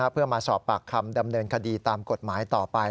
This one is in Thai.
เพื่อมาสอบปากคำดำเนินคดีตามกฎหมายต่อไป